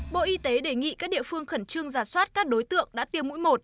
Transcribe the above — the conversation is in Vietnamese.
bộ y tế đề nghị các địa phương khẩn trương giả soát các đối tượng đã tiêm mũi một